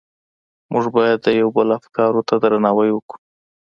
موږ بايد د يو بل افکارو ته درناوی وکړو.